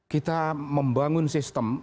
kita membangun sistem